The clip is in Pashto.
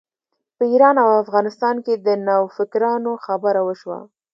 په ایران او افغانستان کې د نوفکرانو خبره وشوه.